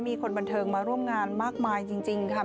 มีคนบันเทิงมาร่วมงานมากมายจริงค่ะ